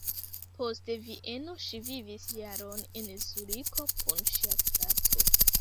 Post Vieno ŝi vivis jaron en Zuriko kun ŝia frato.